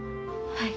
はい。